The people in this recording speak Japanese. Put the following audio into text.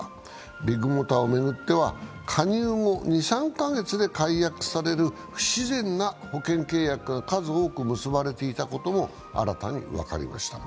ビッグモーターを巡っては加入後２３か月で解約される不自然な保険契約が数多く結ばれていたことも新たに分かりました。